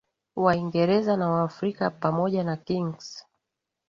Waingereza na Waafrika pamoja na Kings